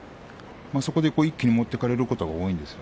そこで一気に持っていかれることが多いです。